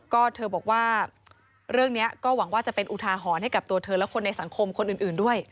ก็เธอบอกว่าเรื่องนี้ก็หวังว่าจะเป็นอุทาหรณ์ให้กับตัวเธอและคนในสังคมคนอื่นด้วย